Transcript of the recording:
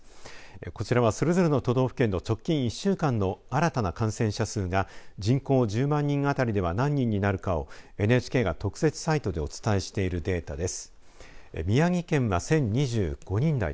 こちらはそれぞれの都道府県の直近１週間の新たな感染者数が人口１０万人当たりでは何人になるかをＮＨＫが特設サイトでお伝えしているデータです。